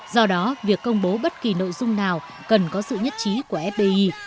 do đó việc công bố bất kỳ nội dung nào cần có sự nhất trí của fbi